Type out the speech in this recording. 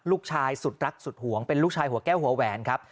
ลูกชายสุดรักสุดหวงเป็นลูกชายหัวแก้วหัวแหวนครับ